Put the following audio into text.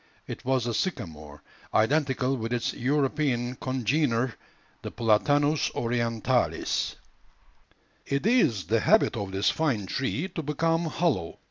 It was the sycamore, identical with its European congener, the Platanus orientalis. It is the habit of this fine tree to become hollow.